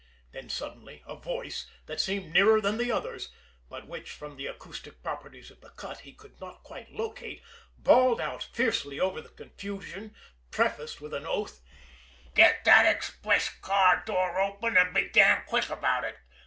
Then suddenly, a voice, that seemed nearer than the others, but which from the acoustic properties of the cut he could not quite locate, bawled out fiercely over the confusion, prefaced with an oath: "Get that express car door open, and be damned quick about it!